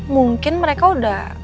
mungkin mereka udah